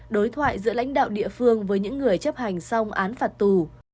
đối thoại giữa lãnh đạo địa phương với những người chấp hành xong án phạt tù